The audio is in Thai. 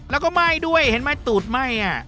แล้วก็ไหม้ด้วยเห็นไหมตูดไหม้